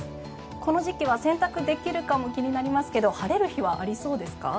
この時期は洗濯できるかも気になりますけど晴れる日はありそうですか。